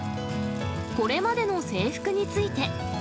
これまでの制服について。